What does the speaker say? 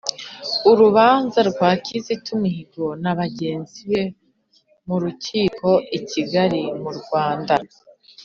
Urubanza rwa Kizito Mihigo na bagenzi be m'urukiko i Kigali mu Rwanda.